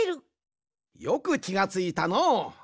よくきがついたのう。